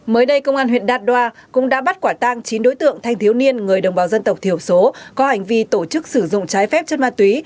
mới đây công an huyện đạt đoa cũng đã bắt quả tang chín đối tượng thanh thiếu niên người đồng bào dân tộc thiểu số có hành vi tổ chức sử dụng trái phép chất ma túy